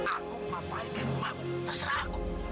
aku apa yang mau terserah aku